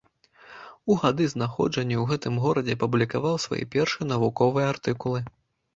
У гады знаходжання ў гэтым горадзе апублікаваў свае першыя навуковыя артыкулы.